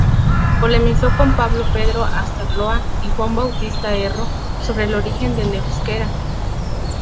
Polemizó con Pablo Pedro Astarloa y Juan Bautista Erro sobre el origen del euskera.